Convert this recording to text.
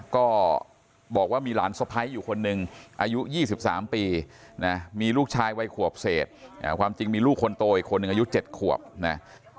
ก็บอกว่ามีหลานสะพ้ายอยู่คนหนึ่งอายุ๒๓ปีนะมีลูกชายวัยขวบเศษความจริงมีลูกคนโตอีกคนหนึ่งอายุ๗ขวบนะ